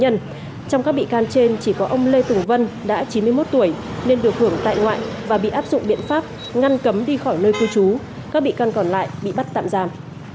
trong các bị can trên chỉ có ông lê tùng vân đã chín mươi một tuổi nên được hưởng tại ngoại và bị áp dụng biện pháp ngăn cấm đi khỏi nơi cư trú các bị can còn lại bị bắt tạm giam